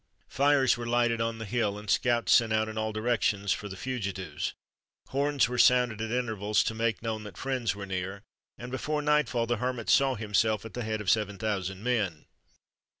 Fires were lighted on the hill, and scouts sent out in all directions for the fugitives. Horns were sounded at intervals, to make known that friends were near, and before nightfall the Hermit saw himself at the head of seven thousand men.